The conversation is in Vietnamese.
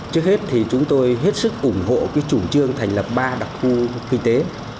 trước hết thì chúng tôi hết sức ủng hộ chủ trương thành lập ba đặc khu kinh tế